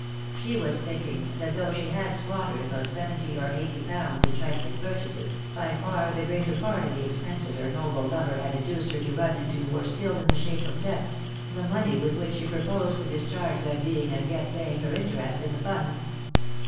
She was thinking, that though she had squan dered about seventy or eighty pounds in trifling purchases, by far the greater part of the expenses her noble lover had in duced her to run into were still in the shape of debts, the money with which she proposed to discharge them being as yet paying her interest in the funds.